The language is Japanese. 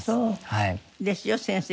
ですよ先生。